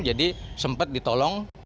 jadi sempat ditolong